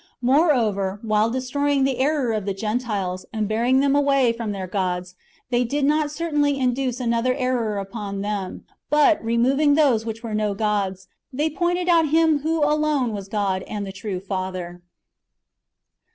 Moreover, while destroying the error of the Gentiles, and bearing them away from their gods, they did not cer tainly induce another error upon them ; but, removing those which were no gods, they pointed out Him who alone was God and the true Father.